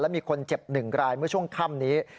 แล้วมีคนเจ็บหนึ่งรายเมื่อช่วงค่ำนี้